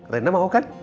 rena mau kan